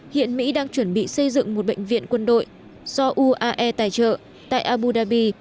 hiện mỹ đang chuẩn bị xây dựng một bệnh viện quân đội do uae tài trợ tại abu dhabi